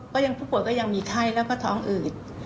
ยังผู้ป่วยก็ยังมีไข้แล้วก็ท้องอืด